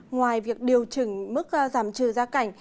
ngoài việc điều chỉnh mức giảm trừ gia cảnh